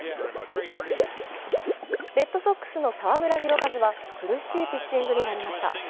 レッドソックスの澤村拓一は、苦しいピッチングになりました。